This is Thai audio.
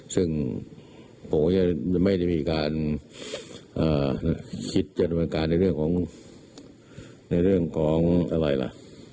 ซึ่งผมก็ยังไม่ได้มีการคิดจะดำเนินการในเรื่องของในเรื่องของอะไรล่ะ